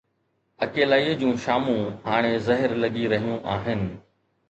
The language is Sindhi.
اڪيلائي جون شامون هاڻي زهر لڳي رهيون آهن.